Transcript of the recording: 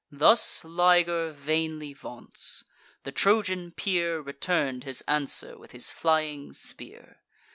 Thus Liger vainly vaunts: the Trojan peer Return'd his answer with his flying spear.